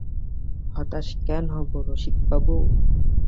হতাশ কেন হব রসিকবাবু?